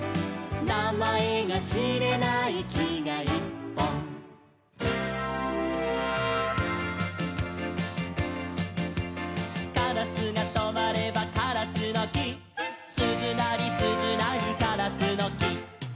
「なまえがしれないきがいっぽん」「カラスがとまればカラスのき」「すずなりすずなりカラスのき」